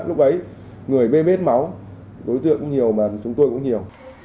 lúc ấy người bê bết máu đối tượng cũng nhiều mà chúng tôi cũng nhiều